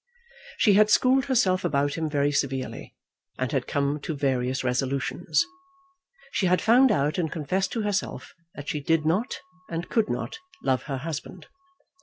She had schooled herself about him very severely, and had come to various resolutions. She had found out and confessed to herself that she did not, and could not, love her husband.